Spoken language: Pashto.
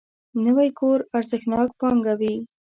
نوی کور ارزښتناک پانګه وي